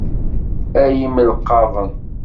Ay imelqaḍen.